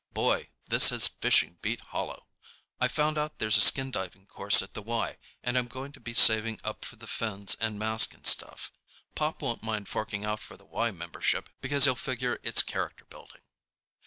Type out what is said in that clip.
Boy, this has fishing beat hollow! I found out there's a skin diving course at the Y, and I'm going to begin saving up for the fins and mask and stuff. Pop won't mind forking out for the Y membership, because he'll figure it's character building.